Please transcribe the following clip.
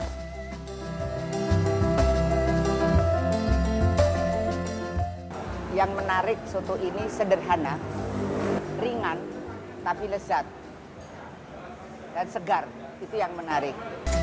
yang menarik soto ini sederhana ringan tapi lezat dan segar itu yang menarik